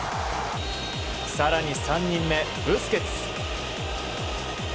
更に３人目ブスケツ。